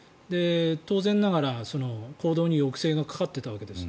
当然ながら行動に抑制がかかっていたわけです。